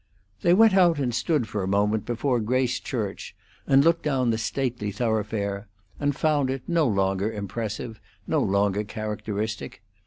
They went out and stood for a moment before Grace Church, and looked down the stately thoroughfare, and found it no longer impressive, no longer characteristic.